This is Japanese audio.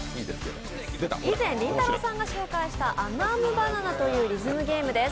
以前、りんたろーさんが紹介したあむあむバナナナというゲームです。